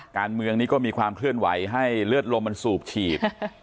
การเมืองนี้ก็มีความเคลื่อนไหวให้เลือดลมมันสูบฉีด